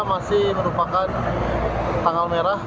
masih merupakan tanggal merah